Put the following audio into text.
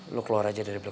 lu keluar aja dari belakang